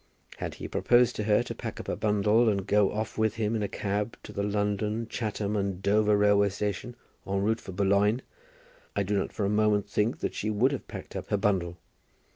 Had he proposed to her to pack up a bundle and go off with him in a cab to the London, Chatham, and Dover railway station, en route for Boulogne, I do not for a moment think that she would have packed up her bundle.